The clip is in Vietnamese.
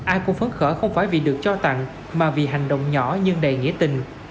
ai cũng phấn khởi không phải vì được trao tặng mà vì hành động nhỏ nhưng đầy nghĩa tình